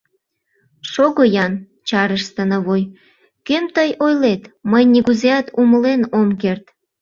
— Шого-ян, — чарыш становой, — кӧм тый ойлет, мый нигузеат умылен ом керт.